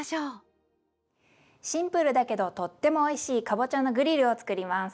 シンプルだけどとってもおいしいかぼちゃのグリルを作ります。